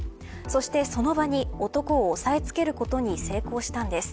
そして、その場に男を押さえつけることに成功したんです。